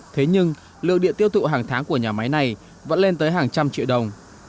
thế nhưng lượng điện tiêu thụ hàng tháng của nhà máy này vẫn lên tới hàng trăm triệu đồng